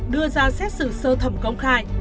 đưa ra xét xử sơ thẩm công khai